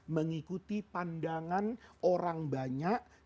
mengikuti pandangan orang banyak